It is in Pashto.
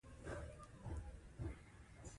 ادارې به درسي پروګرامونه وڅاري.